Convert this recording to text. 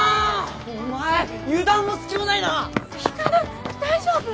お前油断も隙もないな光琉大丈夫？